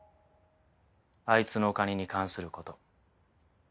あいつのお金に関する事。